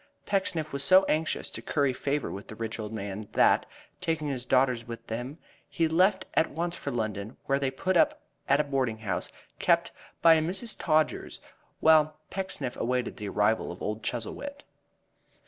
Pecksniff was so anxious to curry favor with the rich old man that, taking his daughters with him, he left at once for London, where they put up at a boarding house kept by a Mrs. Todgers, while Pecksniff awaited the arrival of old Chuzzlewit.